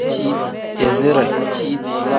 Izire.